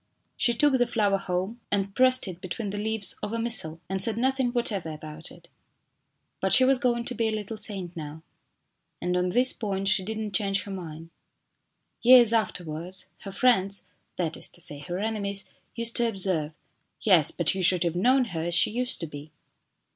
She took the flower home and pressed it between the leaves of a missal, and said nothing whatever about it. But she was going to be a little saint now, and on this point she did not change her mind. Years afterwards, her friends that is to say her enemies used to observe :" Yes, but you should have known her as she used to be."